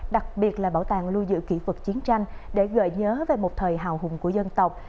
đặc biệt là bảo tàng lưu giữ kỹ vật chiến tranh để gợi nhớ về một thời hào hùng của dân tộc